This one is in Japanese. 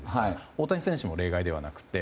大谷選手も例外ではなくて。